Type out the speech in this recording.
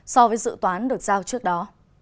so với dự toán được giao trước đó